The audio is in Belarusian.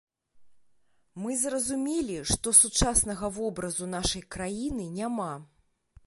Мы зразумелі, што сучаснага вобразу нашай краіны няма.